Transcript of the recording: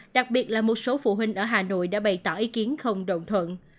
đặc biệt là một số phụ huynh ở hà nội đã bày tỏ ý kiến không đồng thuận